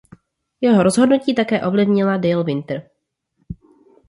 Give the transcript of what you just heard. Jeho rozhodnutí také ovlivnila Dale Winter.